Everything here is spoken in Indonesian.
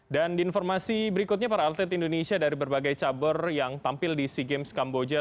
dan di informasi berikutnya para atlet indonesia dari berbagai cabur yang tampil di sea games kamboja